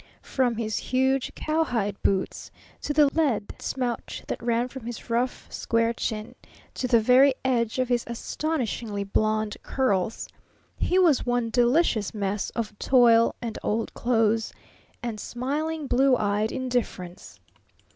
From his huge cowhide boots to the lead smouch that ran from his rough, square chin to the very edge of his astonishingly blond curls, he was one delicious mess of toil and old clothes and smiling, blue eyed indifference.